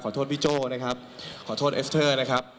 โทษพี่โจ้นะครับขอโทษเอสเตอร์นะครับ